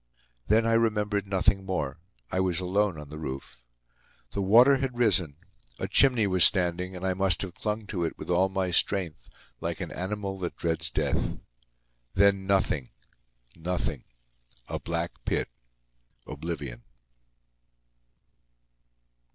Then, I remembered nothing more. I was alone on the roof. The water had risen. A chimney was standing, and I must have clung to it with all my strength, like an animal that dreads death. Then, nothing, nothing, a black pit, oblivion.